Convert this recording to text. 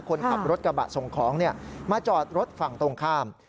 คนขับรถกระบะส่งของมาจอดรถฝั่งตรงข้าม